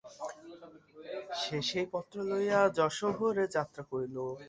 সে সেই পত্র লইয়া যশোহরে যাত্রা করিল।